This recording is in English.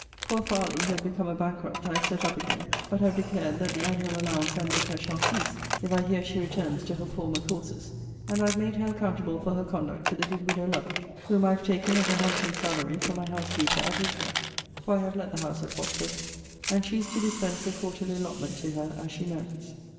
Poor Farley, who had become a bankrupt, I have set up again; but have declared, that the annual allowance I make her shall cease, if I hear she returns to her former courses: and I have made her accountable for her conduct to the good widow Lovick; whom I have taken, at a handsome salary, for my housekeeper at Edgware, (for I have let the house at Watford;) and she is to dispense the quarterly allotment to her, as she merits.